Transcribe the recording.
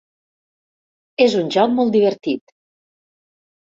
És un joc molt divertit.